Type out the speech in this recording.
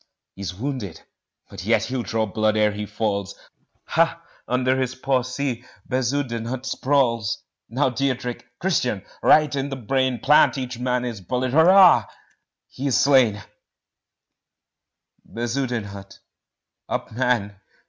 He's wounded but yet he'll draw blood ere he falls Ha! under his paw see Bezudenhout sprawls Now Diederik! Christian! right in the brain Plant each man his bullet Hurra! he is slain! Bezudenhout up, man!